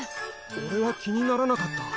おれは気にならなかった。